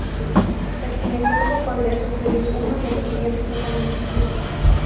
El ginecólogo podría sugerir uno de los siguientes tratamientos quirúrgicos.